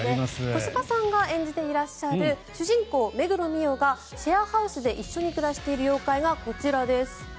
小芝さんが演じていらっしゃる主人公、目黒澪がシェアハウスで一緒に暮らしている妖怪がこちらです。